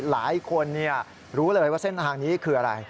หลายคนรู้เลยว่าเส้นทางนี้คืออะไร